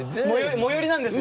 最寄りなんですよ。